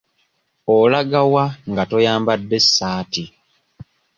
Olaga wa nga toyambadde ssaati ?